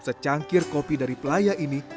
secangkir kopi dari pelaya ini